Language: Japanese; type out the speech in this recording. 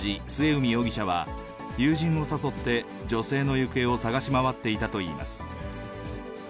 当時、末海容疑者は、友人を誘って、女性の行方を捜し回っていたといいます。